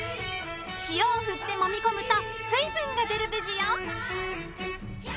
塩を振ってもみ込むと水分が出るベジよ